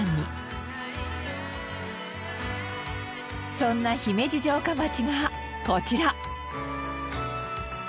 そんな姫路城下町がこちら。